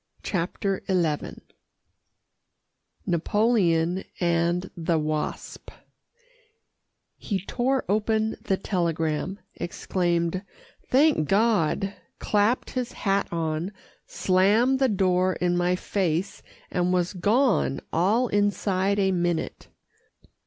CHAPTER XI NAPOLEON AND THE WASP He tore open the telegram, exclaimed "Thank God," clapped his hat on, slammed the door in my face, and was gone all inside a minute.